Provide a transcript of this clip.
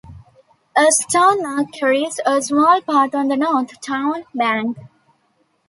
A stone arch carries a small path on the north, town, bank.